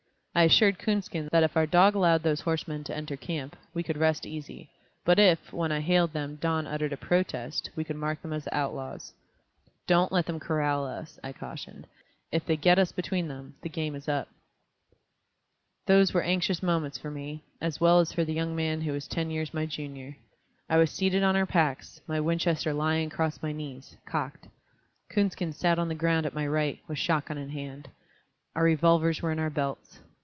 I assured Coonskin that if our dog allowed those horsemen to enter camp, we could rest easy, but if, when I hailed them, Don uttered a protest, we could mark them as the outlaws. "Don't let them corral us," I cautioned; "if they get us between them, the game is up." Those were anxious moments for me, as well as for the young man who was ten years my junior. I was seated on our packs, my Winchester lying across my knees, cocked; Coonskin sat on the ground at my right, with shot gun in hand. Our revolvers were in our belts.